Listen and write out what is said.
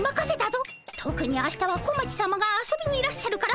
とくに明日は小町さまが遊びにいらっしゃるから慎重にな。